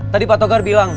tadi pak togar bilang